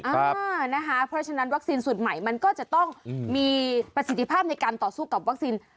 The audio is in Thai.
เพราะฉะนั้นวัคซีนสูตรใหม่มันก็จะต้องมีประสิทธิภาพในการต่อสู้กับวัคซีน